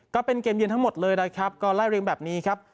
ก็เป็นเกมเย็นทั้งหมดเลยนะครับก็ไล่เรียงแบบนี้ครับ